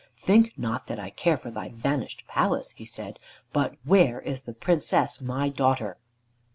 "Think not that I care for thy vanished palace," he said. "But where is the Princess, my daughter?"